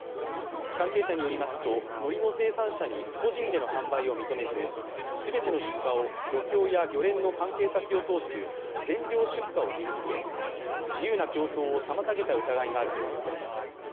関係者によりますとのりの生産者に個人での販売を認めず、全ての出荷を漁協や漁連の関係先を通す全量出荷を義務づけ自由な競争を妨げた疑いがあるということです。